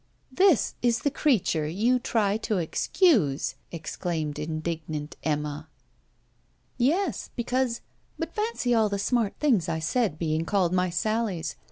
'This is the creature you try to excuse!' exclaimed indignant Emma. 'Yes, because but fancy all the smart things I said being called my "sallies"!